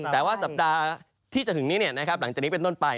แต่ว่าสัปดาห์ที่จะถึงนี้หลังจากนี้เป็นต้นไป